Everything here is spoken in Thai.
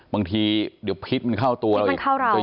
บางทีเดี๋ยวพิษเข้าตัวแล้วอีก